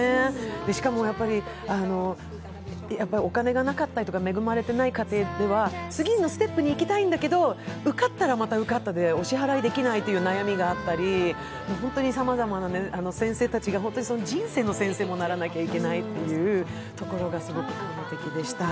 しかも、お金がなかったりとか、恵まれていない家庭では、次のステップに行きたいんだけど、受かったらまた受かったでお支払いできないという悩みがあったり、ホントにさまざまな先生たちが、本当に人生の先生にもならなければいけないというところがすごく感動的でした。